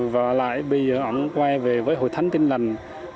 và lại bây giờ ông quay về với hội thánh tin lành